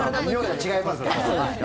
違いますけど。